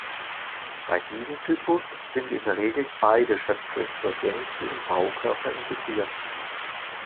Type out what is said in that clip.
Bei diesem Typus sind in der Regel beide Schöpfe zur Gänze im Baukörper integriert.